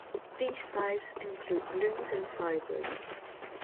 These types include glues and fibers.